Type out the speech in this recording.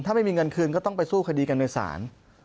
ถ้าไม่มีเงินคืนก็ต้องไปสู้คดีกันในศาล